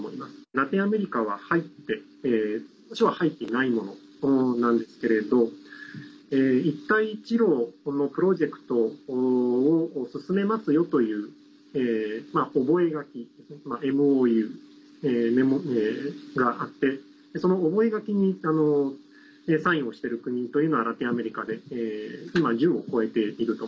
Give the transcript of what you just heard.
ラテンアメリカは入っていないものなんですけれど一帯一路のプロジェクトを進めますよという覚書＝ＭＯＵがあってその覚書にサインをしてる国というのはラテンアメリカで今１０を超えていると。